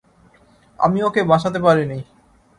আমি ওকে বাঁচাতে পারিনি।